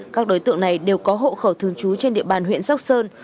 các đối tượng này đều có hộ khẩu thường trú trên địa bàn huyện sóc sơn